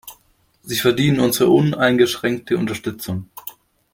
Sie verdienen unsere uneingeschränkte Unterstützung.